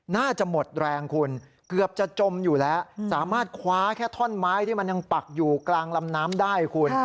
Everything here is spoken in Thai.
น่าจะหมดแรงคุณเกือบจะจมอยู่แล้วสามารถคว้าแค่ท่อนไม้ที่มันยังปักอยู่กลางลำน้ำได้คุณ